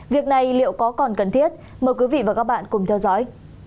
việc này liệu có còn cần thiết mời quý vị và các bạn cùng theo dõi